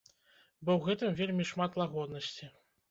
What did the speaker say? Бо ў гэтым вельмі шмат лагоднасці.